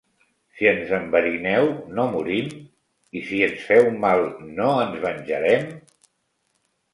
Si ens enverineu, no morim? I si ens feu mal, no ens venjarem?